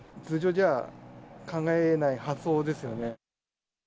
通常じゃ考えない発想ですよね。